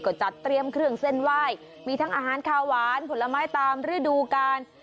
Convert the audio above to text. ก็จัดเตรียมเครื่องเส้นไหว้มีทั้งอาหารขาวหวานผลไม้ตามฤดูกาล